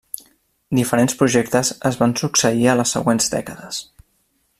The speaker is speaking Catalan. Diferents projectes es van succeir a les següents dècades.